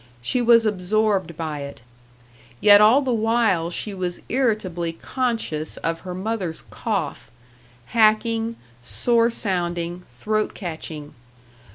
She was absorbed by it. Yet all the while she was irritably conscious of her mother's cough hacking, sore sounding, throat catching.